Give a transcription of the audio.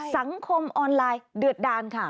สังคมออนไลน์เดือดดานค่ะ